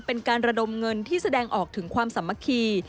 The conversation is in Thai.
เป็นการระดมเงินที่แสดงออกถึงความสามัคคี